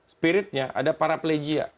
spiritnya ada paraplegia